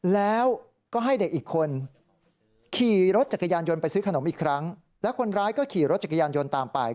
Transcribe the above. แล้วก็ให้เด็กอีกคนขี่รถจักรยานยนต์ไปซื้อขนมอีกครั้งแล้วคนร้ายก็ขี่รถจักรยานยนต์ตามไป